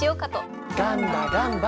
ガンバガンバ！